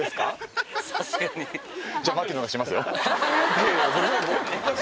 いやいや。